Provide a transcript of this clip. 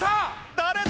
誰だ？